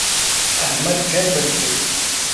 احمد جلبل کېدو.